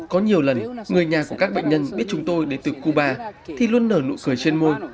có nhiều lần người nhà của các bệnh nhân biết chúng tôi đến từ cuba thì luôn nở nụ cười trên môi